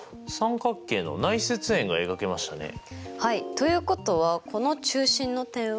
ということはこの中心の点は？